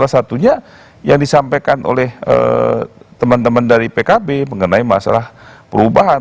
salah satunya yang disampaikan oleh teman teman dari pkb mengenai masalah perubahan